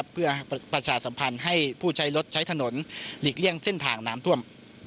เพื่อประชาสัมพันธ์ให้ผู้ใช้รถใช้ถนนหลีกเลี่ยงเส้นทางน้ำท่วม